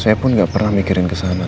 saya pun gak pernah mikirin kesana